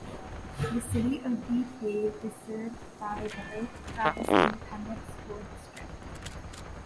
The city of Bee Cave is served by the Lake Travis Independent School District.